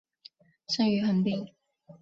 生于横滨。